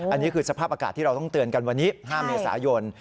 อันนี้คือสภาพอากาศที่เราต้องเตือนกันวันนี้๕เมษายน